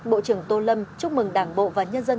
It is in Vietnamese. bộ trưởng tô lâm chúc mừng đảng bộ và nhân dân